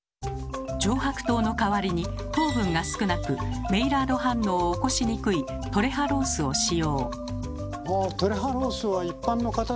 上白糖の代わりに糖分が少なくメイラード反応を起こしにくいトレハロースを使用。